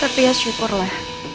tapi ya syukurlah